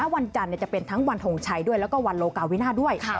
วันจันทร์จะเป็นทั้งวันทงชัยด้วยแล้วก็วันโลกาวินาด้วย